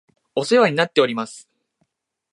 お世話になっております